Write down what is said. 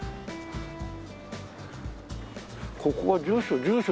ここは住所住所